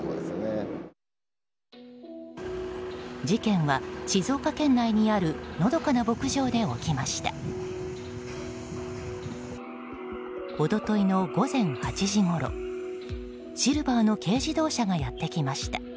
事件は静岡県内にあるのどかな牧場で起きました。